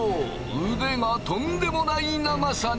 腕がとんでもない長さに！